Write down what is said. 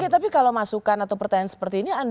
tapi kalau masukan atau pertanyaan seperti ini